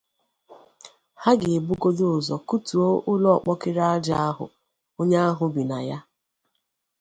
Ha ga-ebugodi ụzọ kụtuo ụlọ ọkpọkịrị aja ahụ onye ahụ bì na ya